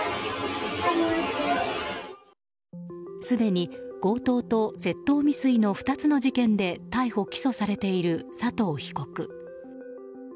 すでに強盗と窃盗未遂の２つの事件で逮捕・起訴されている佐藤被告。